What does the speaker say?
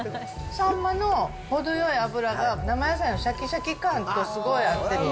さんまの程よい脂が生野菜のしゃきしゃき感とすごい合ってる。